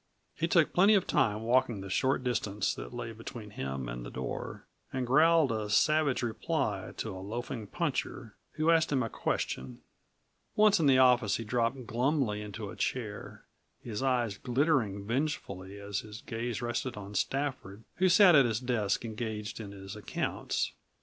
He took plenty of time walking the short distance that lay between him and the door, and growled a savage reply to a loafing puncher, who asked him a question. Once in the office he dropped glumly into a chair, his eyes glittering vengefully as his gaze rested on Stafford, who sat at his desk, engaged in his accounts.